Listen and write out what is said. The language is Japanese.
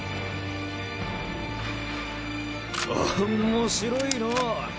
面白いのぉ。